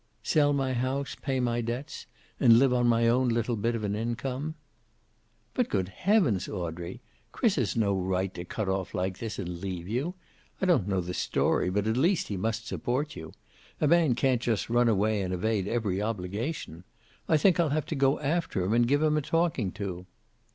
"Sell my house, pay my debts and live on my own little bit of an income." "But, good heavens, Audrey! Chris has no right to cut off like this, and leave you. I don't know the story, but at least he must support you. A man can't just run away and evade every obligation. I think I'll have to go after him and give him a talking to."